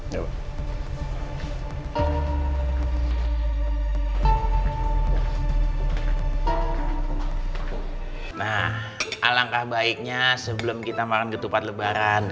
nah alangkah baiknya sebelum kita makan ketupat lebaran